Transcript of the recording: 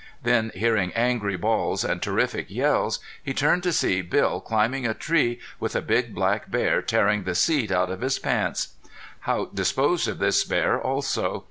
Then hearing angry bawls and terrific yells he turned to see Bill climbing a tree with a big black bear tearing the seat out of his pants. Haught disposed of this bear also.